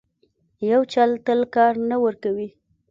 یو چل تل کار نه ورکوي.